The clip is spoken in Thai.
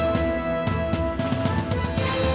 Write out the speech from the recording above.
เมื่อ